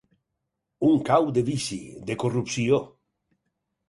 Un cau de vici, de corrupció.